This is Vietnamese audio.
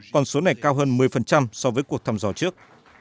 còn số này cao hơn một mươi so với cuộc thăm dò trước